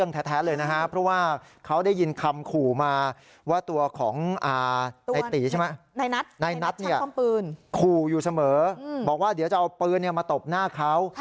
นายนัทนายนัทช่างความปืนคู่อยู่เสมอบอกว่าเดี๋ยวจะเอาปืนมาตบหน้าเขา